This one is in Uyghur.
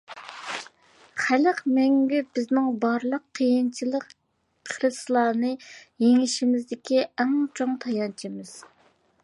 خەلق مەڭگۈ بىزنىڭ بارلىق قىيىنچىلىق، خىرىسلارنى يېڭىشىمىزدىكى ئەڭ چوڭ تايانچىمىز.